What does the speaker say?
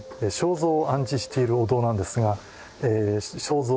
肖像を安置しているお堂なんですが肖像